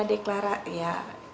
nggak ada ya